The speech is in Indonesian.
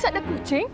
bukannya kucing sini